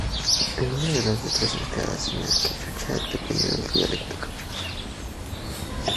El número de letras empleadas en el Quechua dependen de del dialecto Quechua.